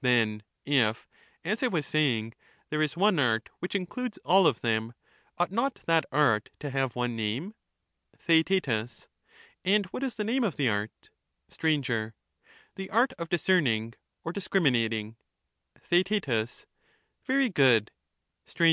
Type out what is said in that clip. Then if, as I was saying, there is one art which in discerning, eludes all of them, ought not that art to have one name ? TheaeU And what is the name of the art ? Str. The art of discerning or discriminating. TheaeU Very good. Str.